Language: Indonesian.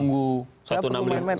bukan kasus main main